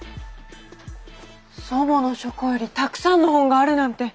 祖母の書庫よりたくさんの本があるなんて！